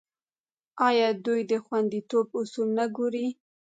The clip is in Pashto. آیا دوی د خوندیتوب اصول نه ګوري؟